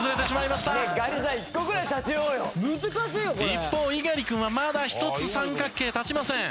一方猪狩君はまだ１つ三角形立ちません。